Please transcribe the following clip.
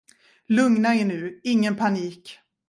Lugna ner er nu, ingen panik.